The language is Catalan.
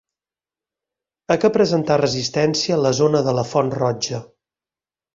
A què presentà resistència la zona de la Font Roja?